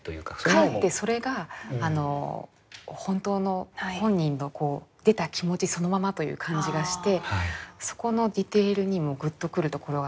かえってそれが本当の本人の出た気持ちそのままという感じがしてそこのディテールにもグッとくるところがあったりするんですよね。